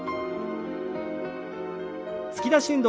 突き出し運動。